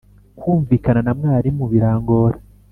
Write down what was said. Kumvikana na mwarimu birangora